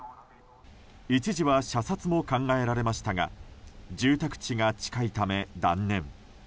一時は射殺も考えられましたが住宅地が近いため、断念。